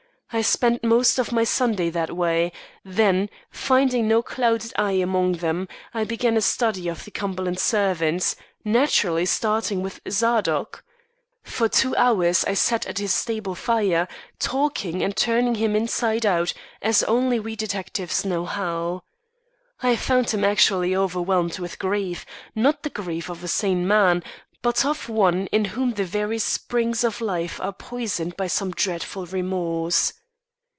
I spent most of my Sunday that way; then, finding no clouded eye among them, I began a study of the Cumberland servants, naturally starting with Zadok. For two hours I sat at his stable fire, talking and turning him inside out, as only we detectives know how. I found him actually overwhelmed with grief; not the grief of a sane man, but of one in whom the very springs of life are poisoned by some dreadful remorse.